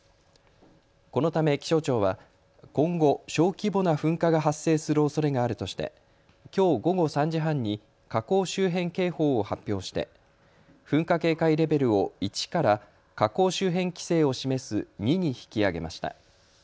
このため気象庁は今後、小規模な噴火が発生するおそれがあるとしてきょう午後３時半に火口周辺警報を発表して噴火警戒レベルを１から火口周辺規制を示す２に引き上げました。